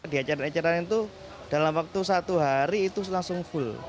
di acara acara itu dalam waktu satu hari itu langsung full